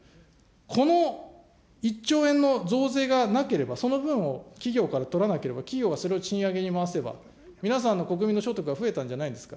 この１兆円の増税がなければ、その分を企業から取らなければ、企業はそれを賃上げに回せば、皆さんの国民の所得が増えたんじゃないですか。